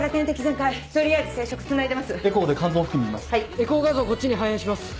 エコー画像こっちに反映します。